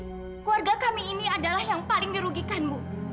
keluarga kami ini adalah yang paling dirugikan bu